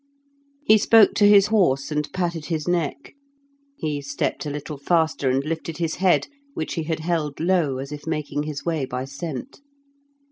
He spoke to his horse and patted his neck; he stepped a little faster and lifted his head, which he had held low as if making his way by scent.